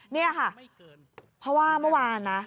นี่ค่ะเพราะว่าเมื่อวานนะ